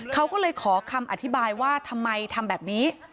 เขาก็เลยขอคำอธิบายว่าทำไมทำแบบนี้